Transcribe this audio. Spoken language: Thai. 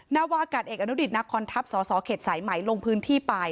นาวากาศเอกอนุดิตนักคอนทัพสสเขตสายไหมลงพื้นที่ไป